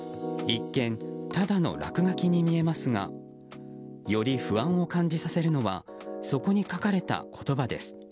一見、ただの落書きに見えますがより不安を感じさせるのはそこに書かれた言葉です。